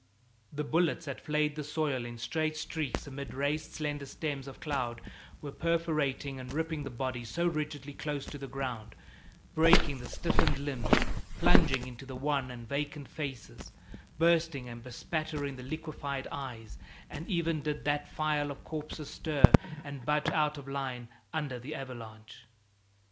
The bullets that flayed the soil in straight streaks amid raised slender stems of cloud were perforating and ripping the bodies so rigidly close to the ground, breaking the stiffened limbs, plunging into the wan and vacant faces, bursting and bespattering the liquefied eyes; and even did that file of corpses stir and budge out of line under the avalanche.